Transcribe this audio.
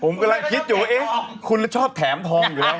ผมกำลังคิดอยู่ว่าเอ๊ะคุณชอบแถมทองอยู่แล้ว